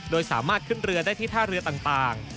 โดยสามารถขึ้นเรือได้ที่ท่าเรือต่าง